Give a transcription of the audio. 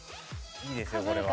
いいですよこれは。